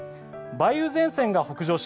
梅雨前線が北上し